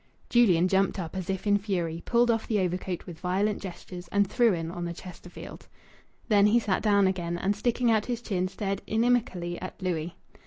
Julian jumped up as if in fury, pulled off the overcoat with violent gestures, and threw in on the Chesterfield. Then he sat down again, and, sticking out his chin, stared inimically at Louis.